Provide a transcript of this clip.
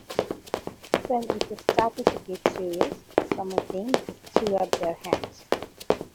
When it started to get serious, some of them just threw up their hands.